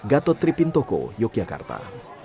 gatot tripin toko yogyakarta